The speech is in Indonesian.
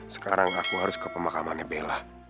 sekarang aku harus ke pemakamannya bella